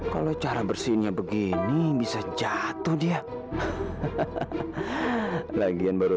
kalian ngapain pacaran disini